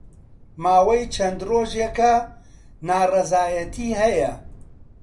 ماوەی چەند ڕۆژێکە ناڕەزایەتی ھەیە